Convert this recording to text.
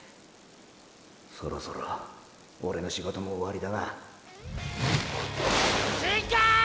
そろそろオレの仕事も終わりだな新開！